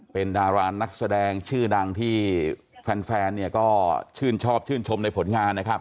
เป็นดารานักแสดงชื่อดังที่แฟนเนี่ยก็ชื่นชอบชื่นชมในผลงานนะครับ